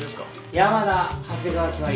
山田長谷川は決まり。